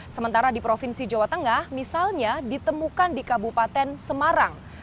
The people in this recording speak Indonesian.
sementara di provinsi jawa tengah misalnya ditemukan di kabupaten semarang